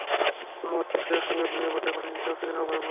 পুরো মস্তিষ্ক একসঙ্গে ঘুমিয়ে পড়লে পানির নিচে অক্সিজেনের অভাবে মারা যাবে।